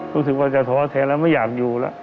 รู้สึกว่าจะท้อแทนแล้วไม่อยากอยู่แล้ว